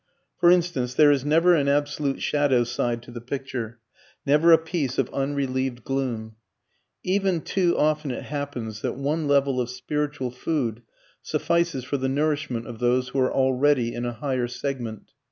For instance, there is never an absolute shadow side to the picture, never a piece of unrelieved gloom. Even too often it happens that one level of spiritual food suffices for the nourishment of those who are already in a higher segment.